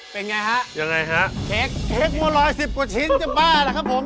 เป็นอย่างไรฮะเชกเมา๑๐กว่าชิ้นจะบ้าหรอครับผม